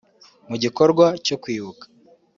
Mu gikorwa cyo kwibuka